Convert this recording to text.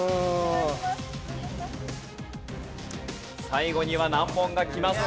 最後には難問がきます。